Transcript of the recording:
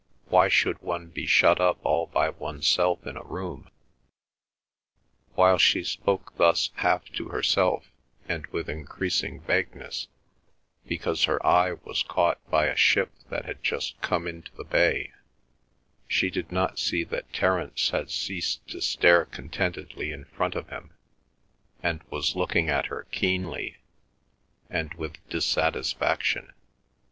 why should one be shut up all by oneself in a room?" While she spoke thus half to herself and with increasing vagueness, because her eye was caught by a ship that had just come into the bay, she did not see that Terence had ceased to stare contentedly in front of him, and was looking at her keenly and with dissatisfaction.